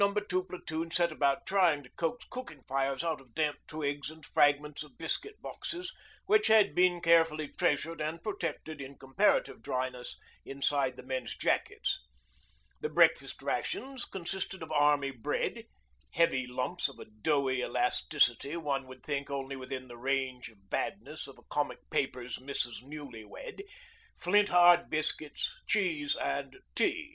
2 Platoon set about trying to coax cooking fires out of damp twigs and fragments of biscuit boxes which had been carefully treasured and protected in comparative dryness inside the men's jackets. The breakfast rations consisted of Army bread heavy lumps of a doughy elasticity one would think only within the range of badness of a comic paper's 'Mrs. Newlywed' flint hard biscuits, cheese, and tea.